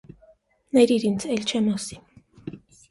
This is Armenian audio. - Ներիր ինձ, էլ չեմ ասի…